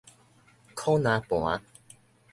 苦林盤